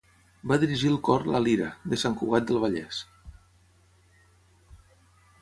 Va dirigir el cor La Lira, de Sant Cugat del Vallès.